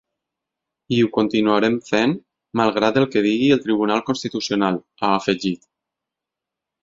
I ho continuarem fent malgrat el que digui el Tribunal Constitucional, ha afegit.